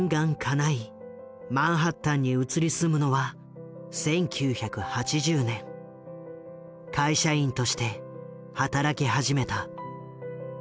マンハッタンに移り住むのは会社員として働き始めた。